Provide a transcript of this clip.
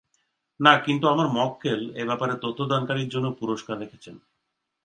না, কিন্তু আমার মক্কেল, এ ব্যাপারে তথ্য দানকারীর জন্য পুরষ্কার রেখেছেন।